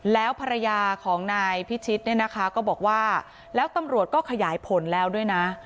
แล้วภรรยาของนายพิชิตเนี่ยนะคะก็บอกว่าแล้วตำรวจก็ขยายผลแล้วด้วยนะ